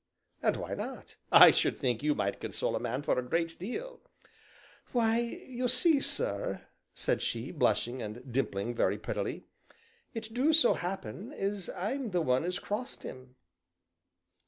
"And why not? I should think you might console a man for a great deal." "Why, you see, sir," said she, blushing and dimpling very prettily, "it do so happen as I'm the one as crossed him."